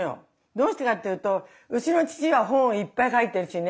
どうしてかっていうとうちの父が本をいっぱい書いてるしね。